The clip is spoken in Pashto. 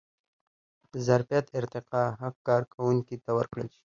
د ظرفیت ارتقا حق کارکوونکي ته ورکړل شوی.